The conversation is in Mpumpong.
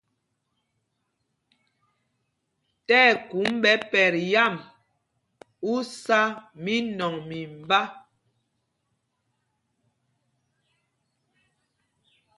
Tí ɛkum ɓɛ pɛt yǎm, ú sá mínɔŋ mimbá.